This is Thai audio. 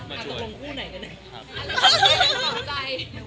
อ๋อตรงคู่ไหนกันเนี่ย